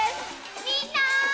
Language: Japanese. みんな！